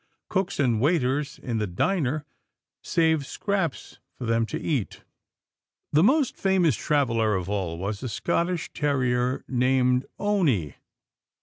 Cooks and waiters in the diner save scraps for them to eat. The most famous traveller of all was a Scotch terrier named Owney.